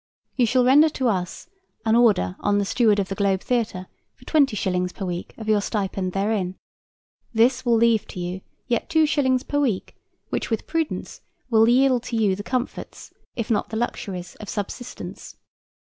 You shall render to us an order on the Steward of the Globe Theatre for 20 shillings per week of your stipend therein. This will leave to you yet 2 shillings per week, which, with prudence, will yield to you the comforts, if not the luxuries, of subsistence.